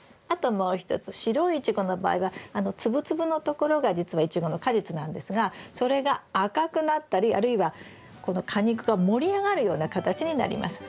あともう一つ白いイチゴの場合はあの粒々のところがじつはイチゴの果実なんですがそれが赤くなったりあるいはこの果肉が盛り上がるような形になります。